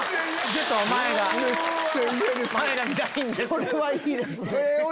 それはいいですね。